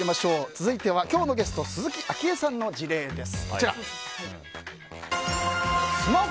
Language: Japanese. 続いては、今日のゲスト鈴木あきえさんの事例です。